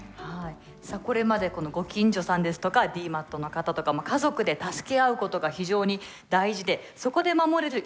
さあこれまでご近所さんですとかＤＭＡＴの方とか家族で助け合うことが非常に大事でそこで守れる命という話がありました。